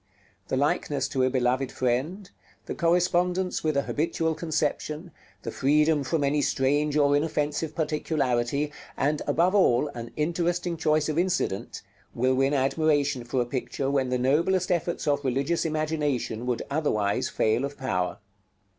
The likeness to a beloved friend, the correspondence with a habitual conception, the freedom from any strange or offensive particularity, and, above all, an interesting choice of incident, will win admiration for a picture when the noblest efforts of religious imagination would otherwise fail of power.